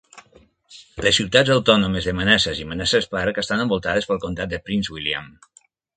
Les ciutats autònomes de Manassas i Manassas Park estan envoltades pel comtat de Prince William.